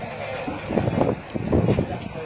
ถ้าไม่ได้ขออนุญาตมันคือจะมีโทษ